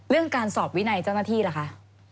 การสอบวินัยเจ้าหน้าที่ล่ะคะ